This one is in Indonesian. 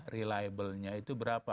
reliable nya itu berapa